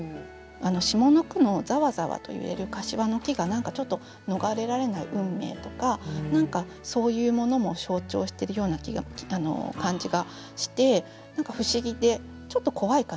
下の句のざわざわと揺れる柏の木が何かちょっと逃れられない運命とかそういうものも象徴してるような感じがして不思議でちょっと怖い感じもするかな。